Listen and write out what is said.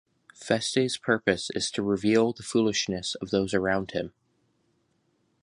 Feste's purpose is to reveal the foolishness of those around him.